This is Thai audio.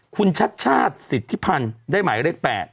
คุณชัดชาติสิทธิพันธ์ได้หมายเลข๘